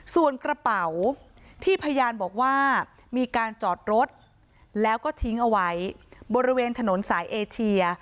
ส่วนกระเป๋าที่พยานบอกว่ามีการจอดรถแล้วก็ทิ้งเอาไว้บริเวณถนนสายเอเชีย